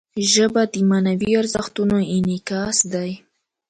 ژبه د معنوي ارزښتونو انعکاس دی